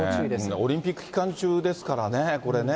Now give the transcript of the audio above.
オリンピック期間中ですからね、これね。